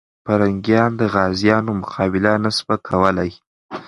پرنګیان د غازيانو مقابله نه سوه کولای.